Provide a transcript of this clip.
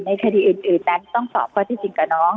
คดีอื่นนั้นต้องสอบข้อที่จริงกับน้อง